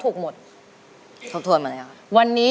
ใช้